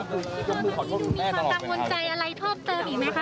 ตอนนี้ดูมีความกังวลใจอะไรเพิ่มเติมอีกไหมคะ